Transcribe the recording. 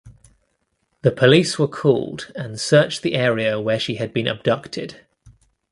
The police were called and searched the area where she had been abducted.